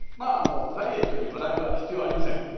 ダイエットに笑いは必要ありません。